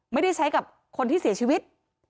ไม่ได้ใช้กับคนที่เสียชีวิต